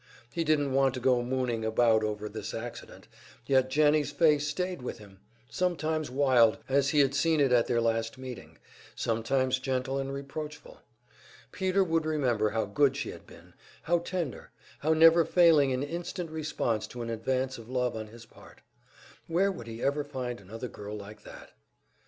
He didn't want to go mooning about over this accident; yet Jennie's face stayed with him sometimes wild, as he had seen it at their last meeting, sometimes gentle and reproachful. Peter would remember how good she had been, how tender, how never failing in instant response to an advance of love on his part. Where would he ever find another girl like that?